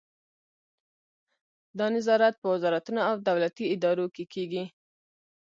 دا نظارت په وزارتونو او دولتي ادارو کې کیږي.